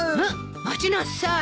待ちなさい。